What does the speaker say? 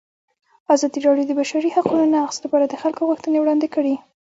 ازادي راډیو د د بشري حقونو نقض لپاره د خلکو غوښتنې وړاندې کړي.